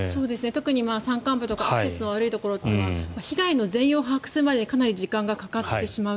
特に山間部とかアクセスの悪いところは被害の全容を把握するまでにかなり時間がかかってしまう。